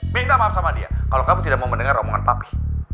minta maaf sama dia kalau kamu tidak mau mendengar omongan pakis